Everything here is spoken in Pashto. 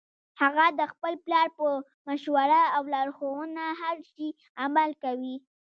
هغه د خپل پلار په مشوره او لارښوونه هر شي عمل کوي